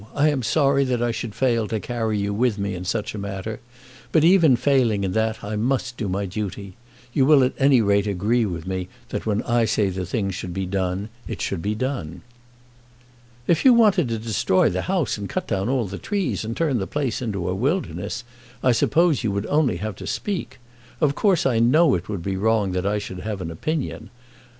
I am sorry that I should fail to carry you with me in such a matter, but even failing in that I must do my duty. You will at any rate agree with me that when I say the thing should be done, it should be done." "If you wanted to destroy the house, and cut down all the trees, and turn the place into a wilderness, I suppose you would only have to speak. Of course I know it would be wrong that I should have an opinion.